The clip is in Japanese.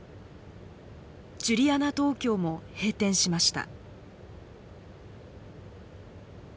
ジュリアナ東京も閉店しました。